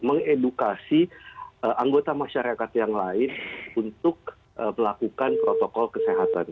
mengedukasi anggota masyarakat yang lain untuk melakukan protokol kesehatan